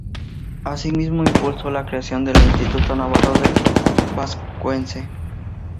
Asimismo impulsó la creación del Instituto Navarro del Vascuence.